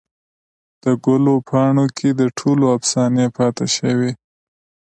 دګلو پاڼوکې دټولو افسانې پاته شوي